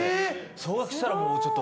総額したらもう、ちょっと。